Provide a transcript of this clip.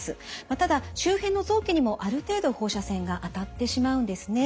ただ周辺の臓器にもある程度放射線が当たってしまうんですね。